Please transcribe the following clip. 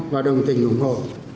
và đồng tình ủng hộ